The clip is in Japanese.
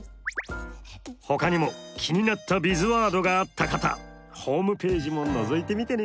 ほかにも気になったビズワードがあった方ホームページものぞいてみてね！